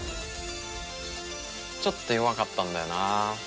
ちょっと弱かったんだよなあ。